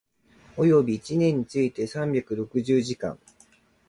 及び一年について三百六十時間